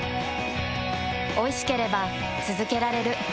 おいしければつづけられる。